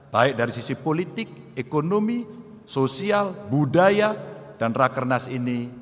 baik dari sisi politik ekonomi sosial budaya dan rakernas ini